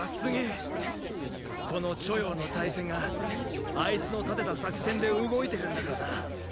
この著雍の大戦があいつの立てた作戦で動いてるんだからな。